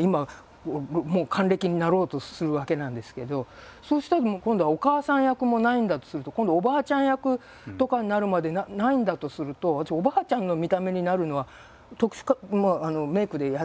今もう還暦になろうとするわけなんですけどそうしたら今度はお母さん役もないんだとすると今度おばあちゃん役とかになるまでないんだとすると私おばあちゃんの見た目になるのは特殊メイクでやってますけれども